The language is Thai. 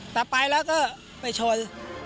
แต่ไปแล้วก็ไปชน